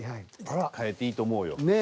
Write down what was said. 替えていいと思うよ。